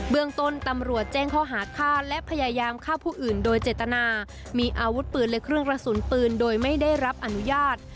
เมืองต้นตำรวจแจ้งข้อหาฆ่าและพยายามฆ่าผู้อื่นโดยเจตนามีอาวุธปืนและเครื่องกระสุนปืนโดยไม่ได้รับอนุญาต